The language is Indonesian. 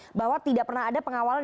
pak ferry bahwa tidak pernah ada pengawalan